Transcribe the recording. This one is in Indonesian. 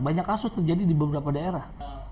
banyak kasus terjadi di beberapa daerah